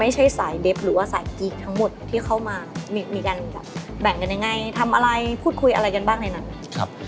มีการแบ่งกันยังไงทำอะไรพูดคุยอะไรกันบ้างในนั้น